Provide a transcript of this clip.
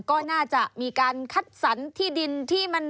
ก็น่าจะมีการคัดสรรที่ดินที่มัน